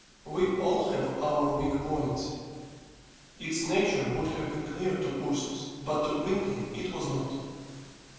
We all have our weak points. Its nature would have been clear to Ursus; but to Gwynplaine it was not.